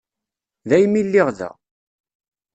Daymi lliɣ da.